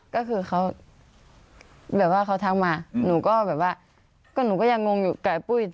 ก็คือเขาทักมาหนูก็ยังงงอยู่กับปุ้ย